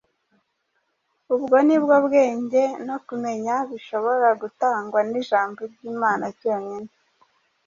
Ubwo ni bwo bwenge no kumenya bishobora gutangwa n’ijambo ry’Imana ryonyine.